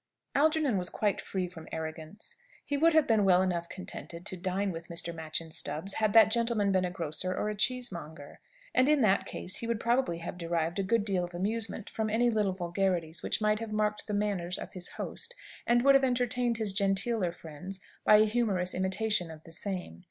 Algernon was quite free from arrogance. He would have been well enough contented to dine with Mr. Machyn Stubbs, had that gentleman been a grocer or a cheesemonger. And, in that case, he would probably have derived a good deal of amusement from any little vulgarities which might have marked the manners of his host, and would have entertained his genteeler friends by a humorous imitation of the same.